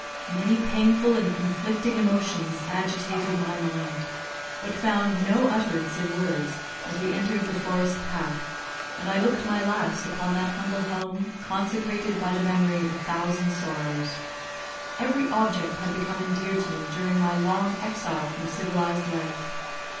Many painful and conflicting emotions agitated my mind, but found no utterance in words, as we entered the forest path, and I looked my last upon that humble home consecrated by the memory of a thousand sorrows. Every object had become endeared to me during my long exile from civilised life.